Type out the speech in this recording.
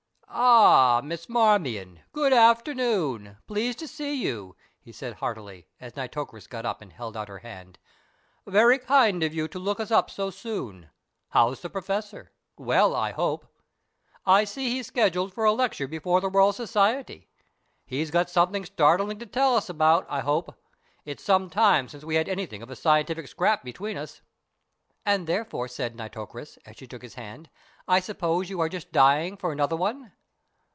"Ah, Miss Marmion, good afternoon! Pleased to see you," he said heartily, as Nitocris got up and held out her hand. "Very kind of you to look us up so soon. How's the Professor? Well, I hope. I see he's scheduled for a lecture before the Royal Society. He's got something startling to tell us about, I hope. It's some time since we had anything of a scientific scrap between us." "And therefore," said Nitocris, as she took his hand, "I suppose you are just dying for another one."